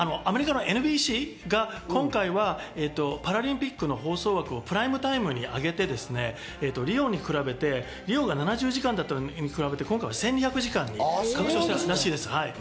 あと何かアメリカのＮＢＣが今回はパラリンピックの放送枠をプライムタイムにあげて、リオが７０時間だったのに比べて、１１００時間に拡大したそうです。